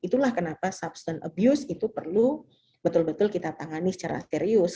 itulah kenapa substance abuse itu perlu betul betul kita tangani secara serius